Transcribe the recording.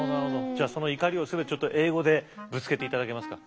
じゃあその怒りをちょっと英語でぶつけていただけますか。